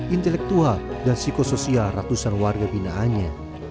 intelektual dan psikosoial ratusan warga binaannya